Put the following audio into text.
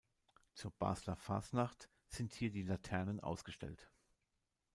Zur Basler Fasnacht sind hier die "Laternen" ausgestellt.